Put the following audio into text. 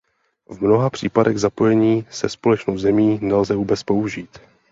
V mnoha případech zapojení se společnou zemí nelze vůbec použít.